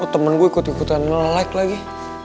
oh temen gue ikut ikutan nge like lagi